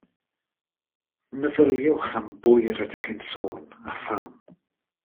Meddyliwch am bwy rydych chi'n sôn a pham